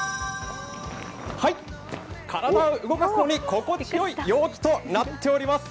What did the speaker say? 体を動かすのに心地よい陽気となっております。